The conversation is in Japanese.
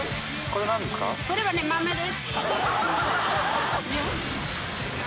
これはね豆です